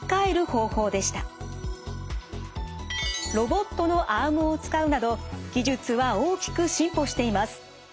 ロボットのアームを使うなど技術は大きく進歩しています。